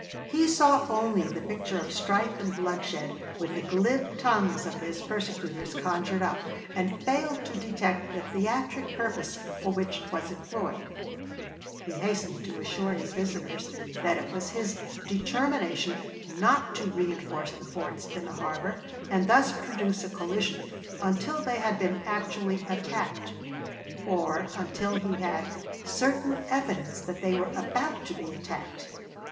He saw only the picture of strife and bloodshed which the glib tongues of his persecutors conjured up, and failed to detect the theatric purpose for which it was employed. Buchanan to Commissioners, Dec. 31, 1860. W.R. Vol. I., p. 117. He hastened to assure his visitors that it was his determination "not to reënforce the forts in the harbor, and thus produce a collision, until they had been actually attacked," or until he had "certain evidence that they were about to be attacked."